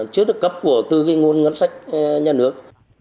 trước được cấp của tư nguồn ngân sách nhà nước